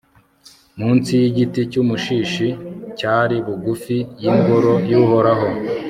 mu nsi y'igiti cy'umushishi cyari bugufi y'ingoro y'uhoraho